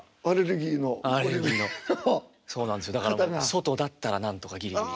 だからもう外だったらなんとかギリギリ。